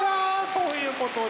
そういうことで。